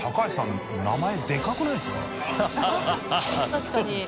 確かに。